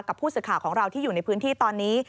กับผู้สื่อข่าวของเราที่อยู่ในพื้นที่ตอนนี้